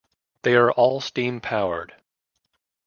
They are all steam powered.